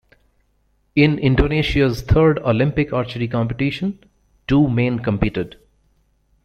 In Indonesia's third Olympic archery competition, two men competed.